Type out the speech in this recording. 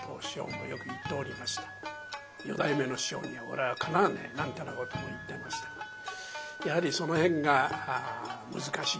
「四代目の師匠に俺はかなわねえ」なんてなことも言ってましたがやはりその辺が難しいですね。